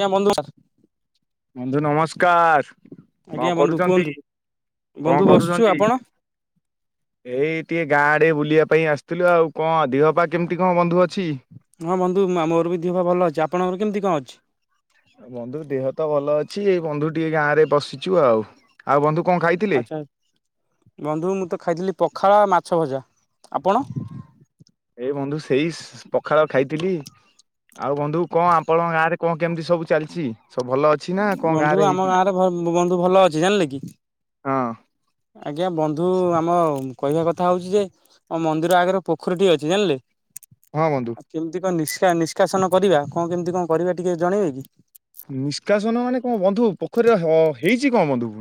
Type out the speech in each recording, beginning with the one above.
ଏ ଆ ମନ୍ଦୁଳା ସାର୍ ବନ୍ଧୁ ନମସ୍କାର କଣ ଆଜ୍ଞା ବନ୍ଧୁ କରୁଚନ୍ତି? କୁହନ୍ତୁ। କଣ ବନ୍ଧୁ ବସିଛୁ କରୁଚନ୍ତି? ଆପଣ ଏଇ ଟିକେ ଗାଁ ଆଡେ ବୁଲିବା ପାଇଁ ଆସିଥିଲୁ ଆଉ କଣ ଦେହ ପା କେମିତି କଣ ବନ୍ଧୁ ଅଛି? ହଁ ବନ୍ଧୁ ଆମର ବି ଦିହ ପା ଭଲ ଅଛି ଆପଣଙ୍କର କେମିତି କଣ ଅଛି? ବନ୍ଧୁ ଦେହ ତ ଭଲ ଅଛି ଏଇ ବନ୍ଧୁ ଟିକେ ଗାଁ ରେ ବସିଛୁ ଆଉ ଆଉ ବନ୍ଧୁ କଣ ଖାଇଥିଲେ? ଆଚ୍ଛା ବନ୍ଧୁ ମୁଁ ତ ଖାଇଥିଲି ପଖାଳ ମାଛ ଭଜା ଆପଣ? ଏଇ ବନ୍ଧୁ ସେଇ ସି ପଖାଳ ଖାଇଥିଲି ଆଉ ବନ୍ଧୁ କଣ ଆପଣଙ୍କ ଗାଁରେ କଣ କେମିତି ସବୁ ଚାଲିଛି ସବୁ ଭଲ ଅଛି? ନା କଣ ବନ୍ଧୁ ରେ ଆମ ହେଇଛି? ଗାଁ ରେ ଭ ବନ୍ଧୁ ଭଲ ଅଛି ଜାଣିଲେ କି? ହଁ ଆଜ୍ଞା ବନ୍ଧୁ ଆମ କହିବା କଥା ହଉଛି ଯେ ଆମ ମନ୍ଦିର ଆଗରେ ପୋଖରୀ ଟିକେ ଅଛି ଜାଣିଲେ? ହଁ ବନ୍ଧୁ। କେମିତି କଣ ନି ନିଷ୍କାସନ କରିବା କଣ କେମିତି କଣ କରିବା ଟିକେ ଜଣେଇବେ କି? ନିଷ୍କାସନ ମାନେ କଣ ବନ୍ଧୁ ପୋଖରୀ ହୋ ହେଇଛି କଣ ବନ୍ଧୁ?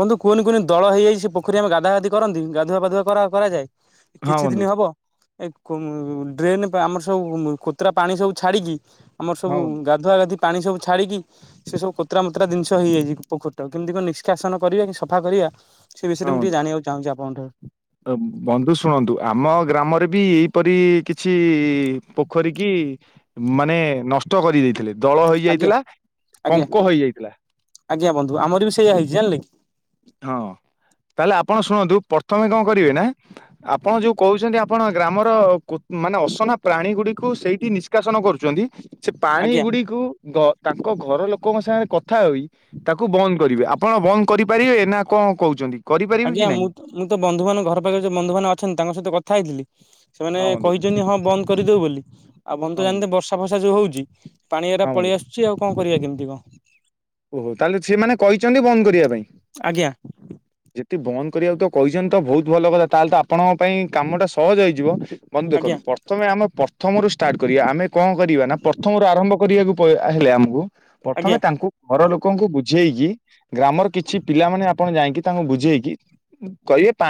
ବନ୍ଧୁ କୁହନି କୁହନି ଦଳ ହେଇଯାଇଛି ସେ ପୋଖରୀ ଆମ ଗାଧାଗାଧି କରନ୍ତି ଗାଧୁଆପାଧୁଆ କର କରାଯାଏ ହଁ କିଛି ବନ୍ଧୁ ଦିନ ହବ ଏ ଉମ ଡ୍ରେନ୍ ଆମର ସବୁ କୋତାରା ପାଣି ସବୁ ଛାଡ଼ିକି ଆମର ହଁ ସବୁ ବନ୍ଧୁ ଗା ଗଧୁଆ ଗାଧି ପାଣି ସବୁ ଛାଡିକି ସେ ସବୁ କୋତରା ମତରା ଜିନିଷ ହେଇଯାଇଛି ପୋଖରି ଟା କେମିତି କଣ ନି ଶିକ୍ଷାସନ କରିବା କି ସଫା କରିବା ସେ ବିଷୟରେ ହଁ ବନ୍ଧୁ। ମୁଁ ଟିକେ ଜାଣିବାକୁ ଚାହୁଁଛି ଆପଣଙ୍କ ଠାରୁ। ବନ୍ଧୁ ଶୁଣନ୍ତୁ ଆମ ଗ୍ରାମରେ ବି ଏଇପରି କିଛି ପୋଖରୀ କି ମାନେ ନଷ୍ଟ କରି ଦେଇେଇଥିଲେ ଦଳ ଆଜ୍ଞା ହେଇଯାଇଥିଲା ଆଜ୍ଞା ପଙ୍କ ହେଇଯାଇଥିଲା ଆଜ୍ଞା ବନ୍ଧୁ ଆମର ବି ସେଇଆ ହେଇଛି ଜାଣିଲେ କି? ହଁ ତାହେଲେ ଆପଣ ଶୁଣନ୍ତୁ ପ୍ରଥମେ କଣ କରିବେ ନା ଆପଣ ଯୋଉ କହୁଛନ୍ତି ଆପଣ ଗ୍ରାମର କୁ ମାନେ ଅସନା ପ୍ରାଣୀ ଗୁଡିକୁ ସେଇଠି ନିଷ୍କାସନ କରୁଛନ୍ତି ସେ ପାଣି ଆଜ୍ଞା। ଗୁଡ଼ିକୁ ତ ତାଙ୍କ ଘର ଲୋକଙ୍କ ସାଙ୍ଗରେ କଥା ହୋଇ ତାକୁ ବନ୍ଦ କରିବେ ଆପଣ ବନ୍ଦ କରି ପାରିବେ ନା କଣ କହୁଛନ୍ତି? କରିପାରିବେ କି ଆଜ୍ଞା ମୁଁ ନାହିଁ ମୁଁ ତ ବନ୍ଧୁ ମାନ ଘର ପାଖରେ ଯୋଉ ବନ୍ଧୁ ମାନ ଅଛନ୍ତି ତାଙ୍କ ସହିତ କଥା ହେଇଥିଲି ସେମାନେ ହଁ ବନ୍ଧୁ କହି ଛନ୍ତି ହଁ ବନ୍ଦ କରିଦେଉ ବୋଲି ଆଉ ବନ୍ଧୁ ତ ଜାଣିନ୍ତେ ବର୍ଷା ଫର୍ଷା ଯେଉଁ ହେଉଛି ପାଣି ଏରା ହଁ ବନ୍ଧୁ ପଳେଇ ଆସୁଛି ଆଉ କଣ କରିବା କେମିତି କଣ? ଓହୋ ତାହେଲେ ସେମାନେ କହିଛନ୍ତି ବନ୍ଦ କରିବା ପାଇଁ ଆଜ୍ଞା ଯେ ଯଦି ବନ୍ଦ କରିବାକୁ ତ କହିଛନ୍ତି ତ ବହୁତ ଭଲ କଥା ତାହେଲେ ତ ଆପଣଙ୍କ ପାଇଁ କାମ ଟା ସହଜ ହେଇଯିବ ବନ୍ଧୁ ଆଜ୍ଞା ଦେଖନ୍ତୁ ପ୍ରଥମେ ଆମେ ପ୍ରଥମରୁ ଷ୍ଟାର୍ଟ କରିବା ଆମେ କଣ କରିବା ନା ପ୍ରଥମରୁ ଆରମ୍ଭ କରିବାକୁ ପ ହେଲେ ଆମକୁ ପ୍ରଥମେ ଆଜ୍ଞା ତାଙ୍କୁ ଘର ଲୋକଙ୍କୁ ବୁଝେଇକି ଗ୍ରାମର କିଛି ପିଲାମାନେ ଆପଣ ଯାଇକି ତାଙ୍କୁ ବୁଝେଇକି କହିବେ ପା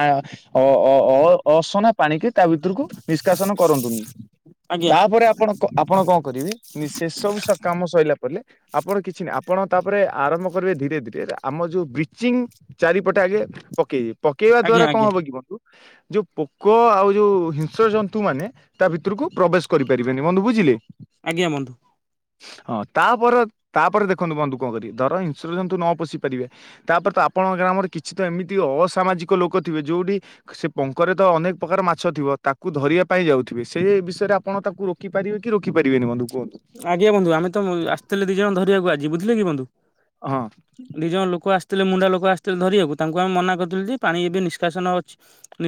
ଅ ଅ ଅ ଅସନା ପାଣିିକି ତା ଭିତରକୁ ନିଷ୍କାସନ କରନ୍ତୁନି ଆଜ୍ଞା ତାପରେ ଆ ଆପଣ ଆପଣ କଣ କରିବେ ସେ ସବୁ କାମ ସରିଲା ପରେ ଆପଣ କିଛି ନାଇ ଆ ଆପଣ ତାପରେ ଆରମ୍ଭ କରିବେ ଧୀରେ ଧୀରେ ଆମ ଯୋଉ ବ୍ଲିଚିଂ ଚାରିପଟେ ଆଗେ ପକେଇିବେ ପକେଇବା ଆଜ୍ଞା ଦ୍ଵାରା କଣ ଆଜ୍ଞା। ହବ କି ବନ୍ଧୁ ଯୋଉ ପୋକ ଆଉ ଯୋଉ ହିଂସ୍ର ଜନ୍ତୁ ମାନେ ତା ଭିତରକୁ ପ୍ରବେଶ କରିପାରିବେନି ବନ୍ଧୁ ବୁଝିଲେ? ଆଜ୍ଞା ବନ୍ଧୁ। ହଁ ତାପରେ ତାପରେ ଦେଖନ୍ତୁ ବନ୍ଧୁ କଣ କରିବେ ଧର ଇସ୍ର ଜନ୍ତୁ ନ ପଶି ପାରିବେ ତାପରେ ତ ଆପଣଙ୍କ ଗ୍ରାମରେ କିଛି ତ ଏମିତି ଅସାମାଜିକ ଲୋକ ଥିବେ ଯୋଉଠି ସେ ପଙ୍କରେ ତ ଅନେକ ପ୍ରକାର ମାଛ ଥିବ ତାକୁ ଧରିବା ପାଇଁ ଯାଉଥିବେ ସେ ବିଷୟରେ ଆପଣ ତାକୁ ରୋକି ପାରିବେ କି ରୋକିପାରିବେନି କୁହନ୍ତୁ ବନ୍ଧୁ? ଆଜ୍ଞା ବନ୍ଧୁ ଆମେତ ଆସିଥିଲେ ଦିଇ ଜଣ ଧରିବାକୁ ଆଜି ବୁଝିଲେ କି ବନ୍ଧୁ? ହଁ। ଦିଇ ଜଣ ଲୋକ ଆସିଥିଲେ ମୁଣ୍ଡା ଲୋକ ଆସିଥିଲେ ଧରିବାକୁ ତାଙ୍କୁ ଆମେ ମନା କରିଥିଲୁ ଯେ ପାଣି ଏବେ ନିଷ୍କାସନ ଅଛି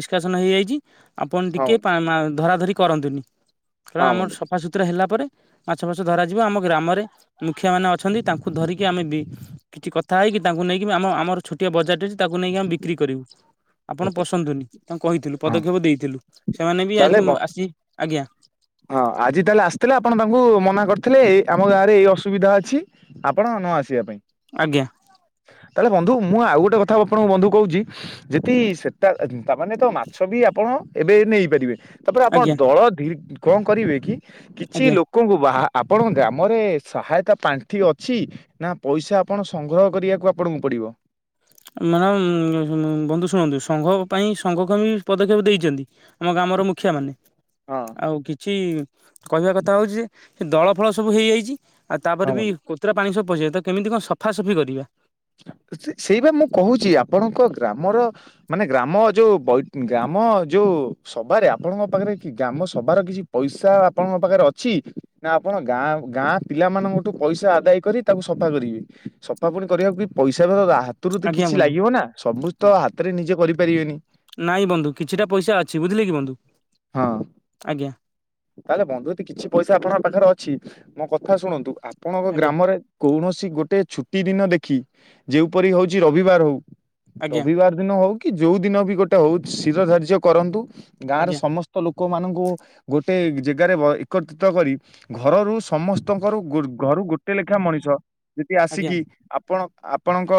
ନିଷ୍କାସନ ହେଇଯାଇଛି ଆପଣ ହଁ ଟିକେ ବନ୍ଧୁ ମା ଧରା ଧରି କରନ୍ତୁନି ହେରା ହଁ ଆମର ବନ୍ଧୁ ସଫାସୁତୁରା ହେଲା ପରେ ମାଛ ଫାସ ଧରାଯିବ ଆମ ଗ୍ରାମରେ ମୁଖିଆ ମାନେ ଅଛନ୍ତି ତାଙ୍କୁ ଧରିକି ଆମେ ବି କିଛି କଥା ହେଇକି ତାଙ୍କୁ ନେଇକି ଆମ ଆମର ଛୋଟିଆ ବଜାରରେ ଅଛି ତାକୁ ନେଇକି ଆମ ବିକ୍ରି କରିବୁ। ଆପଣ ଓହୋ ପଶନ୍ତୁନି ତାଙ୍କୁ କହିଥିଲୁ ହଁ ପଦକ୍ଷେପ ଦେଇଥିଲୁ ସେମାନେ ବି ତାହେଲେ ଆଜି ବ ଆସି ଆଜ୍ଞା। ହଁ ଆଜି ତାହେଲେ ଆସିଥିଲେ ଆପଣ ତାଙ୍କୁ ମନା କରିଥିଲେ ଏ ଆମ ଗାଁରେ ଏଇଅ ସୁବିଧା ଅଛି ଆପଣ ନ ଆସିବା ପାଇଁ। ଆଜ୍ଞା ତାହେଲେ ବନ୍ଧୁ ମୁଁ ଆଉ ଗୋଟେ କଥା ଆପଣଙ୍କୁ ବନ୍ଧୁ କହୁଛି। ଯଦି ସେଟା ତାମାନେ ତ ମାଛ ବି ଆପଣ ଏବେ ନେଇପାରିବେ। ତାପରେ ଆପଣ ଆଜ୍ଞା ଦଳ ଧି କଣ କରିବେ କି କିଛି ଆଜ୍ଞା ଲୋକ ଲୋକ ଙ୍କୁ ବା ଆପଣଙ୍କ ଗ୍ରାମରେ ସହାୟତା ପାଣ୍ଠି ଅଛି। ନା ପଇସା ଆପଣ ସଂଗ୍ରହ କରିବାକୁ ଆପଣଙ୍କୁ ପଡିବ। ମ୍ୟାମ୍ ବନ୍ଧୁ ଶୁଣନ୍ତୁ ସଂଘ ପାଇଁ ସଂଘକୁ ବି ପଦକ୍ଷେପ ସବୁ ଦେଇଛନ୍ତି। ଆମ ଗ୍ରାମର ମୁଖିଆ ମାନେ। ହଁ ଆଉ କିଛି କହିବା କଥା ହଉଛି ଯେ ଏ ଦଳ ଫଳ ସବୁ ହେଇଯାଇଛି। ଆଉ ହଁ ତାପରେ ବି ବନ୍ଧୁ। କୋତରା ପାଣି ସବୁ ପଶିଯାଇଛି ତ କେମିତି କଣ ସଫାସଫି କରିବା। ସେଇବା ମୁଁ କହୁଛି ଆପଣଙ୍କ ଗ୍ରାମର ମାନେ ଗ୍ରାମ ଯୋଉ ବୈ ଗ୍ରାମ ଯୋଉ ସଭାରେ ଆପଣଙ୍କ ପାଖରେ କି ଗ୍ରାମ ସଭାର କି ପଇସା ଆପଣଙ୍କ ପାଖରେ ଅଛି ନା ଆପଣ ଗାଁ ଗାଁ ପିଲାମାନଙ୍କଠୁ ପଇସା ଆଦାୟ କରି ତାକୁ ସଫା କରିବେ ସଫା ପୁଣି କରିବାକୁ ବି ପଇସା ହାତରୁ ତ ଆଜ୍ଞା କିଛି ବନ୍ଧୁ ଲାଗିବ ନା ସବୁ ତ ହାତରେ ନିଜେ କରିପାରିବେନି। ନାଇଁ ବନ୍ଧୁ କିଛିଟା ପଇସା ଅଛି ବୁଝିଲେ କି ବନ୍ଧୁ ହଁ ଆଜ୍ଞା। ତାହେଲେ ବନ୍ଧୁ ଯଦି କିଛି ପଇସା ଆପଣଙ୍କ ପାଖରେ ଅଛି ମୋ କଥା ଶୁଣନ୍ତୁ ଆପଣଙ୍କ ଆଜ୍ଞା ଗ୍ରାମରେ କୌଣସି ଗୋଟେ ଛୁଟି ଦିନ ଦେଖି ଯେଉପରି ହଉଛି ରବିବାର ହଉ ଆଜ୍ଞା ରବିବାର ଦିନ ହଉ କି ଯୋଉ ଦିନ ବି ଗୋଟେ ହଉ ଶିର ଧାର୍ଯ୍ୟ କରନ୍ତୁ ଗାଁରେ ଆଜ୍ଞା ସମ ସ୍ତ ଲୋକମାନଙ୍କୁ ଗୋଟେ ଜାଗାରେ ଏକତ୍ରିତ କରି ଘରରୁ ସମସ୍ତଙ୍କରୁ ଘରୁ ଗୋଟେ ଲେଖା ମଣିଷ ଯଦି ଆଜ୍ଞା ଆସିକି ଆପ ଆପଣ ଆପଣଙ୍କ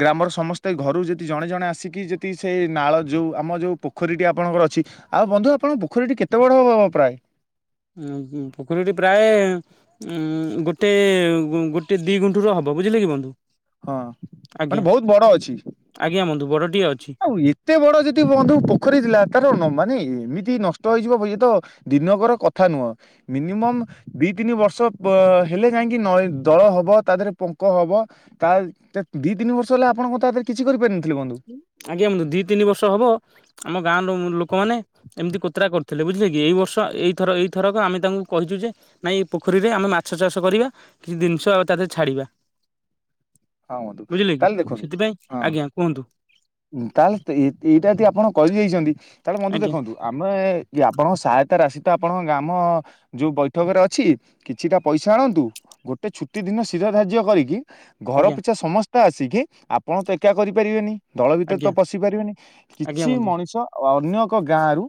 ଗ୍ରାମର ସମସ୍ତେ ଘରୁ ଯଦି ଜଣେ ଜଣେ ଆସିକି ଯଦି ସେ ନାଳ ଯେଉଁ ଆମ ଯେଉଁ ପୋଖରୀଟି ଆପଣଙ୍କର ଅଛି। ଆଉ ବନ୍ଧୁ ଆପଣଙ୍କ ପୋଖରୀଟି କେତେ ବଡ ହବ ହବ ପ୍ରାୟ? ପୋଖରୀଟି ପ୍ରାୟ ଉଁ ଗୋଟେ ଗୋଟେ ଦି ଗୁଣ୍ଠୁର ହବ ବୁଝିଲେ କି ବନ୍ଧୁ। ହଁ ମାନେ ଆଜ୍ଞା ବହୁତ ବଡ ଅଛି ଆଜ୍ଞା ବନ୍ଧୁ ବଡଟିଏ ଅଛି ଆଉ ଏ ଏତେ ବଡ ଯଦି ବନ୍ଧୁ ପୋଖରୀ ଥିଲା ତାର ମାନେ ଏମିତି ନଷ୍ଟ ହେଇଯିବ ବ ଇଏତ ଦିନକର କଥା ନୁହଁ ମିନିମମ୍ ଦି ତିନି ବର୍ଷ ବ ହେଲେ ଯାଇଁକି ନ ଦଳ ହବ। ତା' ଦେହରେ ପଙ୍କ ହବ। ତା, ଦି ତିନି ବର୍ଷ ହେଲା ଆପଣ କଣ ତା ଦେହରେ କିଛି କରିପାରିନଥିଲେ ବନ୍ଧୁ? ଆଜ୍ଞା ବନ୍ଧୁ, ଦି ତିନି ବର୍ଷ ହବ ଆମ ଗାଁରୁ ଲୋକମାନେ ଏମିତି କୋତରା କରୁଥିଲେ ବୁଝିଲେ କି! ଏଇ ବର୍ଷ ଏଇଥର ଏଇଥରକ ଆମେ ତାଙ୍କୁ କହିଚୁ ଯେ ନାଇଁ, ଏ ପୋଖରୀରେ ଆମେ ମାଛ ଚାଷ କରିବା। କିଛି ଦିନିଷ ଆଉ ତା ଦେହରେ ଛାଡିବା। ହଁ ବନ୍ଧୁ ବୁଝିଲେ କି? ତାହେଲେ ଦେଖନ୍ତୁ ସେଥିପାଇଁ ହଁ ଆଜ୍ଞା କୁହନ୍ତୁ। ତାହେଲେ ଏଇ-ଏଇଟା ଦି ଆପଣ କହି ଦେଇଛନ୍ତି। ତାହେଲେ ବନ୍ଧୁ ଆଜ୍ଞା ଦେଖନ୍ତୁ ଆମେ କି ଆପଣଙ୍କ ସହାୟତା ରାଶି ତ ଆପଣଙ୍କ ଗାମ-ଅ ଯୋଉ ବୈଠକରେ ଅଛି, କିଛିଟା ପଇସା ଆଣନ୍ତୁ। ଗୋଟେ ଛୁଟି ଦିନ ଶିର ଧାର୍ଯ୍ୟ କରିକି ଘର ଆଜ୍ଞା ପିଛା ସମସ୍ତେ ଆସିକି, ଆପଣ ତ ଏକା କରିପାରିବେନି। ଦଳ ଭିତରେ ତ ଆଜ୍ଞା ପଶି ପାରିବେନି। ଆଜ୍ଞା କିଛି ବନ୍ଧୁ ମଣିଷ ଆ ଅନ୍ୟ ଏକ ଗାଁରୁ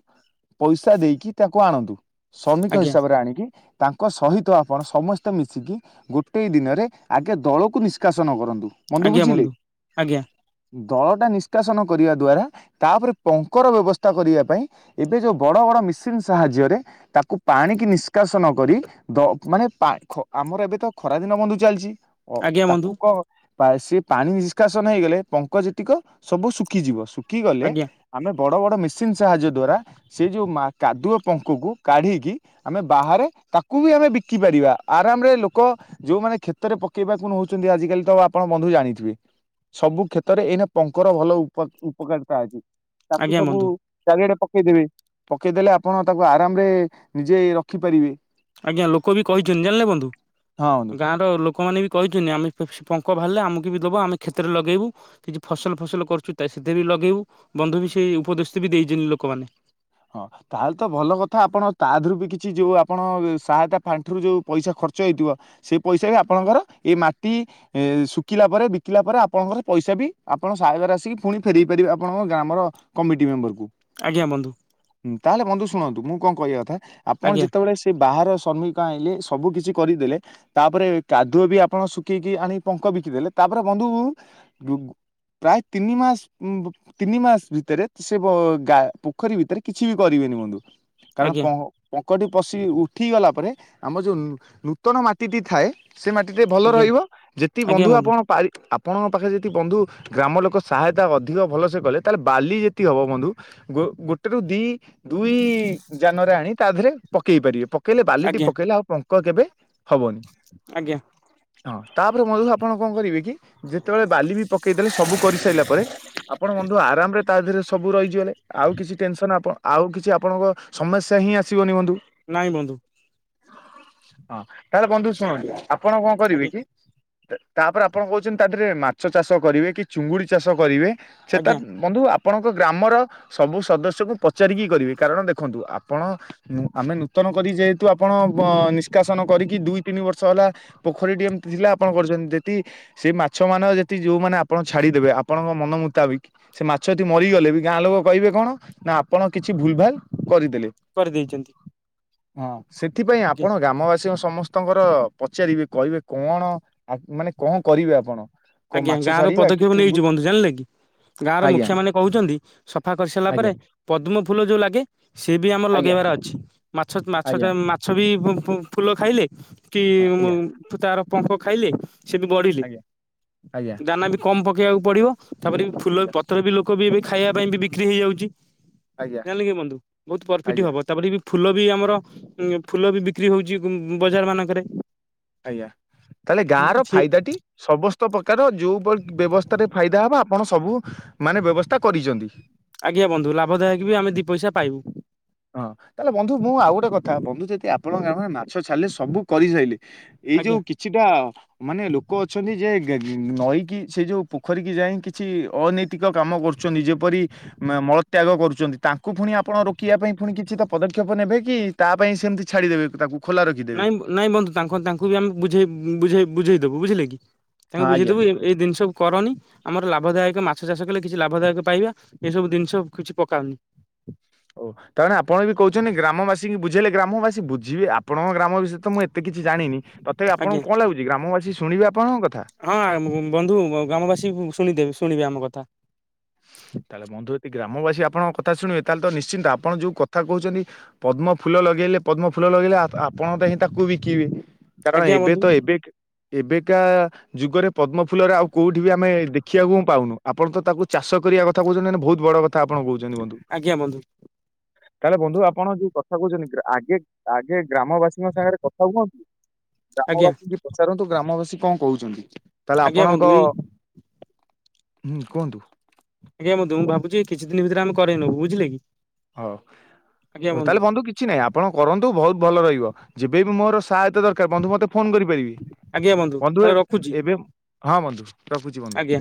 ପଇସା ଦେଇକି ତାକୁ ଆଣନ୍ତୁ। ଶ୍ରମିକ ଆଜ୍ଞା ହିସାବରେ ଆଣିକି ତାଙ୍କ ସହିତ ଆପଣ, ସମସ୍ତେ ମିଶିକି ଗୋଟେଇ ଦିନରେ ଆଗେ ଦଳକୁ ନିଷ୍କାସନ କରନ୍ତୁ। ଆଜ୍ଞା, ବନ୍ଧୁ ଆଜ୍ଞା। ଦଳଟା ନିଷ୍କାସନ କରିବା ଦ୍ଵାରା ତା'ପରେ ପଙ୍କର ବ୍ୟବସ୍ଥା କରିବା ପାଇଁ, ଏବେ ଯୋଉ ବଡ ବଡ ମିସିନ୍ ସାହାଯ୍ୟରେ ତାକୁ ପାଣିକି ନିଷ୍କାସନ କରି ଦ ମାନେ ପା-ଖ ଆମର ଏବେ ତ ଖରା ଦିନ ବନ୍ଧୁ ଚାଲିଚି! ଓ ଆଜ୍ଞା ତାକୁ ବନ୍ଧୁ କ ପା ସେ ପାଣି ନିଷ୍କାସନ ହେଇଗଲେ। ପଙ୍କ୍ କ ଯେତିକ ସବୁ ଶୁଖିଯିବ। ଶୁଖିଗଲେ, ଆଜ୍ଞା ଆମେ ବଡ ବଡ ମେସିନ୍ ସାହାଯ୍ୟ ଦ୍ଵାରା ସେ ଯଉ ମା କାଦୁଅ ପଙ୍କକୁ କାଢ଼ିକି ଆମେ ବାହାରେ ତାକୁ ବି ଆମେ ବିକି ପାରିବା। ଆରାମରେ ଲୋକ ଯୋଉମାନେ କ୍ଷେତରେ ପକେଇବାକୁ ନଉଛନ୍ତି, ଆଜି କାଲି ତ ଆପଣ ବନ୍ଧୁ ଜାଣିଥିବେ। ସବୁ କ୍ଷେତ୍ ତରେ ଏଇନା, ପଙ୍କର ଭଲ ଉପକାରିତା ଅଛି। ତାକୁ ଆଜ୍ଞା ସବୁ ବନ୍ଧୁ ଚାରିଆଡେ ପକେଇଦେବେ। ପକେଇଦେଲେ, ଆପଣ ତାକୁ ଆରାମ ରେ ନିଜେ ରଖିପାରିବେ। ଆଜ୍ଞା, ଲୋକ ବି କହିଛନ୍ତି। ଜାଣିଲେ ବନ୍ଧୁ! ହଁ ବନ୍ଧୁ। ଗାଁ ର ଲୋକମାନେ ବି କହିଛନ୍ତି, ଆମେ ସେ ପଙ୍କ ବାହାରଲେ ଆମକୁ ବି ଦବ, ଆମେ କ୍ଷତରେ ଲଗେଇବୁ। କିଛି ଫସଲ ଫସଲ କରୁଛୁ। ତା ସେଥିରେ ବି ଲଗେଇବୁ। ବନ୍ଧୁ ବି ସେଇ ଉପଦେଶ ବି ଦେଇଛନ୍ତି ଲୋକମାନେ। ହଁ, ତାହେଲେ ତ ଭଲ କଥା। ଆପଣ ତା ଧୁରୁ ବି କିଛି ଯୋଉ ଆପଣ ସହାୟତା ପାାଣ୍ଠିରୁ ଯୋଉ, ପଇସା ଖର୍ଚ୍ଚ ହେଇଥିବ ସେ ପଇସା ବି ଆପଣଙ୍କର ଏ ମାଟି ଏ ଶୁଖିଲା ପରେ ବିକିଲା ପରେ, ଆପଣଙ୍କର ପଇସା ବି ଆପଣ ସାହାଗର ଆସିକି ପୁଣି ଫେରେଇ ପାରିବେ। ଆପଣଙ୍କ ଗ୍ରାମର କମିଟି ମେମ୍ବର କୁ। ଆଜ୍ଞା ବନ୍ଧୁ। ହୁଁ, ତାହେଲେ ବନ୍ଧୁ ଶୁଣନ୍ତୁ। ମୁଁ କଣ କହିବା କଥା? ଆପଣ ଆଜ୍ଞା ଯେତେବେଳେ ସେ ସେ ବାହାର ଶ୍ରମିକ ଆଇଁଲେ, ସବୁ କିିଛି କରିଦେଲେ। ତା'ପରେ କାଦୁଅ ବି ଆପଣ ଶୁଖେଇକି ଆଣି ପଙ୍କ ବିକିଦେଲେ। ତା'ପରେ ବନ୍ଧୁ ଗୁଗ୍ ପ୍ରାୟ ତିନି ମାସ, ବ ତିନି ମାସ ଭିତରେ ସେ ବ ଗା ପୋଖରୀ ଭିତ୍ ଥିରେ, କିଛି ବି କରିବେନି ବନ୍ଧୁ। କାରଣ ଆଜ୍ଞା। ପଁ ପଙ୍କଟି ପଶି ଉଠି ଗଲା ପରେ, ଆମର ଯୋଉ ନୂତନ ମାଟିଟି ଥାଏ ସେ ମାଟି ଟେ ଭଲ ଆଜ୍ଞା ରହିବ। ଯେତିି ବନ୍ଧୁ ଆପଣା ପାରି ଆପ୍ ଆପଣଙ୍କ ପାଖେ ଯଦି ବନ୍ଧୁ ଗ୍ରାମ ଲୋକ ସହାୟତା ଅଧିକ ଭଲସେ କଲେ, ତାହେଲେ ବାଲି ଯେତିିକି ହବ ବନ୍ଧୁ ଗୋ- ଗୋଟ୍ ଟାକୁ ଦି ଦୁଇ ଯାନରେ ଆଣି ତା, ଦେହରେ ପକେଇ ପାରିବେ। ପକେଇଲେ ବାଲିଟି ଆଜ୍ଞା ପକେଇଲେ ଆଉ ପଙ୍କ୍ କେବେ ହବନି ଆଜ୍ଞା ହଁ ତାପରେ ମଧୁ ଆପଣ କଣ କରିବେ କି ଯେତେବେଳେ ବାଲି ବି ପକେଇ ଦେଲେ ସବୁ କରିସାଇଲା ପରେ ଆପଣ ବନ୍ଧୁ ଆରାମ ରେ ତା ଦେହରେ ସବୁ ରହିଯ ଗଲେ ଆଉ କିଛି ଟେନସନ୍ ଆପଣ ଆଉ କିଛି ଆପଣଙ୍କ ସମସ୍ୟା ହିଁ ଆସିବନି ବନ୍ଧୁ। ନାଇଁ ବନ୍ଧୁ। ହଁ ତାହେଲେ ବନ୍ଧୁ ଶୁଣନ୍ତୁ ଆପଣ କଣ କରିବେ ଆଜ୍ଞା କି ତାପରେ ଆପଣ କହୁଛନ୍ତି ତା ଦେହରେ ମାଛ ଚାଷ କରିବେ କି ଚୁଙ୍ଗୁଡି ଚାଷ କରିବେ ସେଟା ଆଜ୍ଞା ବନ୍ଧୁ ଆପଣଙ୍କ ଗ୍ରାମର ସବୁ ସଦସ୍ୟଙ୍କୁ ପଚାରିକି କରିବେ କାରଣ ଦେଖନ୍ତୁ ଆପଣ ଆମେ ନୂତନ କରି ଯେହେତୁ ଆପଣ ନିଷ୍କାସନ କରିକି ଦୁଇ ତିନି ବର୍ଷ ହେଲା ପୋଖରୀଟି ଏମିତି ଥିଲା ଆପଣ କରିଛନ୍ତି ଯେଦି ସେଇ ମାଛ ମାନ ଯଦି ଯୋଉମାନେ ଆପଣ ଛାଡିଦେବେ ଆପଣଙ୍କ ମନ ମୁତାବିକ ସେ ମାଛଯଦି ମରିଗଲେ ବି ଗାଁ ଲୋକ କହିବେ କଣ ନା ଆପଣ କିଛି ଭୁଲ ଭାଲ କରିଦେଲେ। କରିଦେଇଛନ୍ତି। ହଁ ସେଥିପାଇଁ ଆଜ୍ଞା ଆପଣ ଗ୍ରାମବାସୀଙ୍କ ସମ ସ୍ତଙ୍କର ପଚାରିବେ କହିବେ କଣ ମାନେ କଣ କରିବେ ଆପଣ। କୋଉ ଆଜ୍ଞା ମାଛ ଗାଁ ର ଛାଡିବା କି ପଦକ୍ଷେପ ଚୁଙ୍ଗୁ ନେଇଛି ବନ୍ଧୁ ଜାଣିଲେ କି। ଗାଁ ର ଆଜ୍ଞା ମୁଖିଆ ମାନେ କହୁଛନ୍ତି ସଫା କରିସାରିଲା ଆଜ୍ଞା ପରେ ପଦ୍ମ ଫୁଲ ଯୋଉ ଲାଗେ ସିଏ ବି ଆମର ଆଜ୍ଞା ଲଗେଇବାର ଅଛି ମାଛ ଆଜ୍ଞା ମାଛ ଛ ବି ଫୁଲ ଖାଇଲେ କି ହଁ, ଆଜ୍ଞା ତାର ପଙ୍କ ଖାଇଲେ। ସେ ବି ବଢିଲି। ଆଜ୍ଞା ଆଜ୍ଞା। ଦାନା ବି କମ ପକେଇବାକୁ ପଡିବ ତାପରେ ଫୁଲ ପତ୍ର ବି ଲୋକ ବି ଏବେ ଖାଇବା ପାଇଁ ବି ବିକ୍ରି ହେଇଯାଉଛି। ଆଜ୍ଞା ଜାଣିଲ କି ବନ୍ଧୁ ବହୁତ ପରଫିଟ ଆଜ୍ଞା ହବ। ତାପରେ ବି ଫୁଲ ବି ଆମର ଫୁଲ ବି ବିକ୍ରି ହଉଛି ବଜାର ମାନଙ୍କରେ। ଆଜ୍ଞା ତାହେଲେ ଗାଁ ର ସେ ଫାଇଦା ଟି ସମସ୍ତ ପ୍ରକାର ଯୋଉଭଳି ବ୍ୟବସ୍ଥାରେ ଫାଇଦା ହବ ଆପଣ ସବୁ ମାନେ ବ୍ୟବସ୍ଥା କରିଛନ୍ତି। ଆଜ୍ଞା ବନ୍ଧୁ ଲାଭଦାୟକ ବି ଆମେ ଦିଇ ପଇସା ପାଇବୁ। ହଁ ତାହେଲେ ବନ୍ଧୁ ମୁଁ ଆଉ ଗୋଟେ କଥା ବନ୍ଧୁ ଯଦି ଆପଣଙ୍କ ଗାମରେ ମାଛ ଛାଲେ ସବୁ କରିସାଇଲେ ଏଇ ଯୋଉ ଆଜ୍ଞା କିଛିଟା ମାନେ ଲୋକ ଅଛନ୍ତି ଯେ ନଈକି ସେ ଯୋଉ ପୋଖରୀ କି ଯାଇ କିଛି ଅନୈତିକ କାମ କରୁ ଯେପରି ମଳତ୍ୟାଗ କରୁଛନ୍ତି ତାକୁ ପୁଣି ଆପଣ ରୋକିବା ପାଇଁ ପୁଣି କିଛି ତା ପଦକ୍ଷେପ ନେବେ କି ତା ପାଇଁ ସେମିତି ଛାଡ଼ିଦେବେ ତାକୁ ଖୋଲା ରଖିଦେବେ। ନାଇଁ ନାଇଁ ବନ୍ଧୁ ତାଙ୍କ ତାଙ୍କୁ ବି ଆମେ ବୁଝେଇ ବୁଝେଇ ବୁଝେଇଦବୁ ବୁଝିଲେ କି ହଁ ତାଙ୍କୁ ଆଜ୍ଞା। ବୁଝେଇଦବୁ ଏ ଏଇ ଜିନିଷ କରନି ଆମର ଲାଭଦାୟକ ମାଛ ଚାଷ କଲେ କିଛି ଲାଭଦାୟକ ପାଇବା ଏଇସବୁ ଜିନିଷ କିଛି ପକାଅନି। ଓ। ତା ମାନେ ଆପଣ ବି କହୁଛନ୍ତି ଗ୍ରାମବାସୀଙ୍କୁ ବୁଝେଇଲେ ଗ୍ରାମବାସୀ ବୁଝିବେ ଆପଣଙ୍କ ଗ୍ରାମ ବିଷୟରେ ତ ମୁଁ ଏତେ କିଛି ଜାଣିନି। ତ ଆପଣ ଆଜ୍ଞା। କଣ ଲାଗୁଛି ଗ୍ରାମବାସି ଶୁଣିବେ ଆପଣଙ୍କ କଥା। ହଁ ବନ୍ଧୁ ଗ୍ରାମବାସୀ ଶୁଣିଦେବ ଶୁଣିବେ ଆମ କଥା। ତାହେଲେ ବନ୍ଧୁ ଯଦି ଗ୍ରାମବାସୀ ଆପଣଙ୍କକଥା ଶୁଣିବେ ତାହେଲେ ତ ନିଶ୍ଚିନ୍ତ ଆପଣ ଯୋଉ କଥା କହୁଛନ୍ତି ପଦ୍ମ ଫୁଲ ଲଗେଇଲେ ପଦ୍ମ ଫୁଲ ଲଗେଇଲେ ଆପଣ ତ ହିଁ ତାକୁ ବିକିବେ। କାରଣ ଆଜ୍ଞା ଏବେ ବନ୍ଧୁ ତ ଏବେ ଏବେକା ଯୁଗରେ ପଦ୍ମ ଫୁଲରେ ଆଉ କୋଉଠି ବି ଆମେ ଦେଖ ଦେଖିବାକୁ ମୁଁ ପାଉନୁ ଆପଣ ତ ତା ଚାଷ କରିବା କଥା କହୁଛନ୍ତି ମାନେ ବହୁତ ବଡ଼ କ ଥା ଆପଣ କହୁଛନ୍ତି ବନ୍ଧୁ। ଆଜ୍ଞା ବନ୍ଧୁ। ତାହେଲେ ବନ୍ଧୁ ଆପଣ ଯୋ କଥା କହୁଛନ୍ତି ଆଗେ ଆଗେ ଗ୍ରାମବାସୀଙ୍କ ସାଙ୍ଗରେ କଥା ହୁଅନ୍ତୁ। ଆଜ୍ଞା ଗ୍ରାମବାସୀଙ୍କୁ ପଚାରନ୍ତୁ, ଗ୍ରାମବାସୀ କଣ କହୁଛନ୍ତି ତାହେଲେ ଆଜ୍ଞା ବନ୍ଧୁ ଆପଣଙ୍କ ଏଇ ହୁଁ, କୁହନ୍ତୁ? ଟିକେ ମୁଁ ଦୁମ ଭାବୁଛି କିଛି ଦିନ ଭିତରେ ଆମେ କରେଇ ନବୁ, ବୁଝିଲେ କି? ହଉ ହଉ, ତାହେଲେ ବନ୍ଧୁ କିଛ୍? କିଛି ନହିଁ ଆପଣ କରନ୍ତୁ ବହୁତ ଭଲ ରହିବ ଯେବେ ବି ମୋର ସା ଏତେ ଦରକାର ବନ୍ଧୁ ମୋତେ ଫୋନ୍ କରିପାରିବି ଆଜ୍ଞା ବନ୍ଧୁ, ତାହେଲେ ରଖୁଛି ଏବେ ହଁ ବନ୍ଧୁ, ରଖୁଛି ବନ୍ଧୁ। ଆଜ୍ଞା।